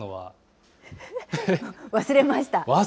忘れました。